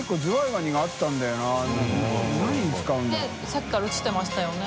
さっきから写ってましたよね。